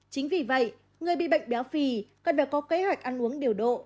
chính vì vậy người bị bệnh béo phì cần phải có kế hoạch ăn uống điều độ